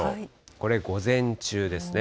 これ、午前中ですね。